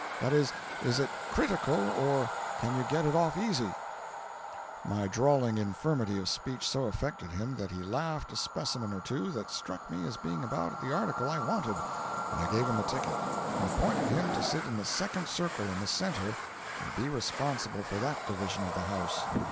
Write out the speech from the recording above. —that is, is it critical, or can you get it off easy?" My drawling infirmity of speech so affected him that he laughed a specimen or two that struck me as being about the article I wanted, and I gave him a ticket, and appointed him to sit in the second circle, in the centre, and be responsible for that division of the house.